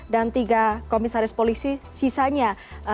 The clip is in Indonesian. dan tiga komisaris polisi sisanya